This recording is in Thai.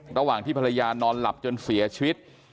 ระหว่างที่ภรรยานอนหลับจนเสียชีวิต